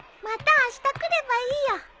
またあした来ればいいよ。